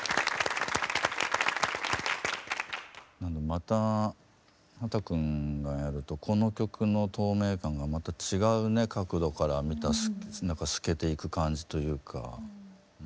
また秦くんがやるとこの曲の透明感がまた違うね角度から見た透けていく感じというか。